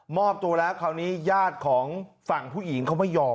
อบตัวแล้วคราวนี้ญาติของฝั่งผู้หญิงเขาไม่ยอม